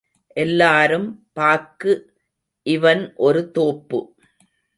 எல்லாரும் பாக்கு இவன் ஒரு தோப்பு.